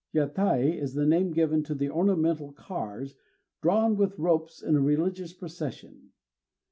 _ Yatai is the name given to the ornamental cars drawn with ropes in a religious procession.